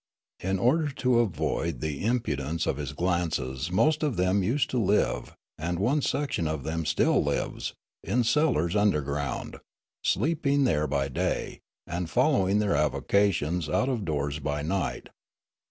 In order to avoid the impud ence of his glances most of them used to live, and one section of them still lives, in cellars underground, sleeping there by day, and following their avocations out of doors by night.